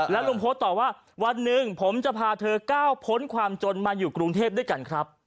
ลุงโพสต์ต่อว่าวันหนึ่งผมจะพาเธอก้าวพ้นความจนมาอยู่กรุงเทพด้วยกันครับ